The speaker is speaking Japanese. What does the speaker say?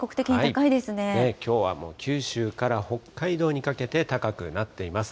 きょうはもう九州から北海道にかけて高くなっています。